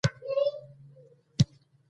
زه د سهار رڼا ډېره خوښوم.